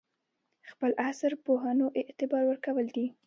خپل عصر پوهنو اعتبار ورکول دي.